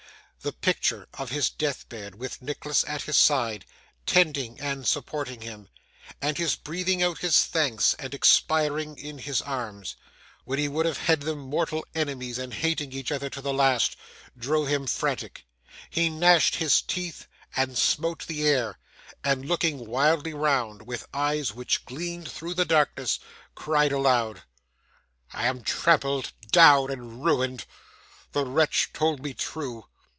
The picture of his deathbed, with Nicholas at his side, tending and supporting him, and he breathing out his thanks, and expiring in his arms, when he would have had them mortal enemies and hating each other to the last, drove him frantic. He gnashed his teeth and smote the air, and looking wildly round, with eyes which gleamed through the darkness, cried aloud: 'I am trampled down and ruined. The wretch told me true.